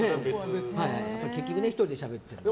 結局、１人でしゃべってるから。